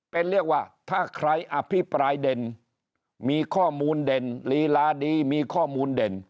เป็นเรียกว่าถ้าใครอภิปรายเด่นมีข้อมูลเด่นลีลาดีมีข้อมูลเด่น